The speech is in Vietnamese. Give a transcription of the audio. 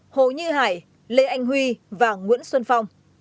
hồ như hải lê anh huy và nguyễn xuân phong